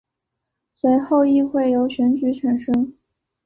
随后议会由选举产生。